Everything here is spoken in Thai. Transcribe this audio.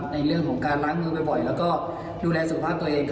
ในเรื่องของการล้างมือบ่อยแล้วก็ดูแลสุขภาพตัวเอง